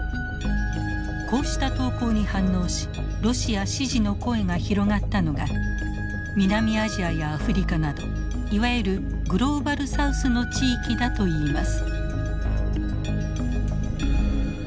こうした投稿に反応しロシア支持の声が広がったのが南アジアやアフリカなどいわゆるグローバルサウスの地域だといいます。